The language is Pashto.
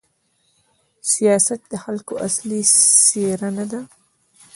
سیاست د خلکو اصلي څېره نه ده.